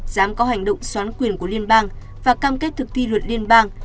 dám có hành động xóa quyền của liên bang và cam kết thực thi luật liên bang